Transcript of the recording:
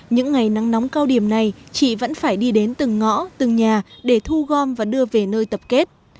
những ngày nắng nóng cao điểm này chị vẫn phải đi đến từng ngõ từng nhà để thu gom và đưa về nơi tập kết